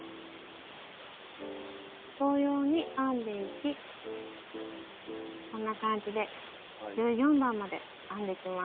同様に編んでいきこんな感じで１４番まで編んでいきます。